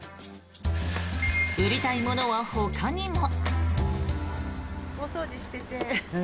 売りたいものはほかにも。